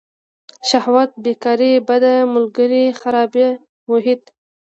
شهوت بیکاري بد ملگري خرابه محیط.